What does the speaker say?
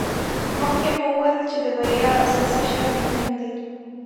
مخکې مو وویل چې د بریا اساسي شرط مهم دی.